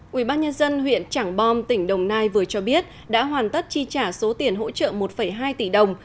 quỹ bác nhân dân huyện trảng bom tỉnh đồng nai vừa cho biết đã hoàn tất chi trả số tiền hỗ trợ một hai tỷ đồng